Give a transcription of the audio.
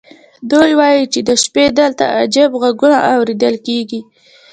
دوی وایي چې د شپې دلته عجیب غږونه اورېدل کېږي.